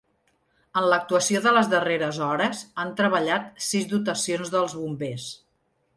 En l’actuació de les darreres hores han treballat sis dotacions dels bombers.